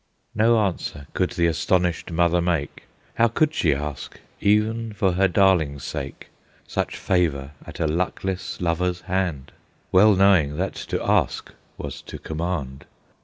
No answer could the astonished mother make; How could she ask, e'en for her darling's sake, Such favor at a luckless lover's hand, Well knowing that to ask was to command?